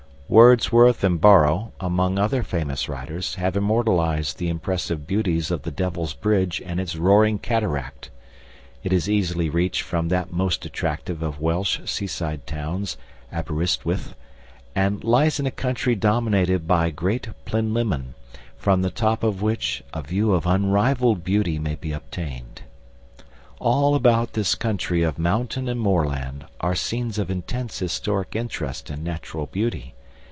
Wordsworth and Borrow, among other famous writers, have immortalised the impressive beauties of the Devil's Bridge and its roaring cataract. It is easily reached from that most attractive of Welsh seaside towns, Aberystwyth, and lies in a country dominated by great Plinlimmon, from the top of which a view of unrivalled beauty may be obtained. All about this country of mountain and moorland are scenes of intense historic interest and natural beauty.